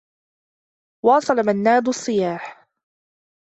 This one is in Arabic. واصل منّاد الصّياح.